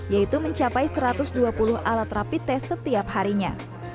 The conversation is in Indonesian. yaitu mencapai satu ratus dua puluh alat rapi tes setiap harinya